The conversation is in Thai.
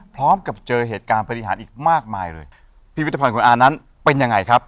พร้อมกับเจอเหตุการณ์ปฏิหารอีกมากมายเลยพิพิธภัณฑ์อานั้นเป็นยังไงครับ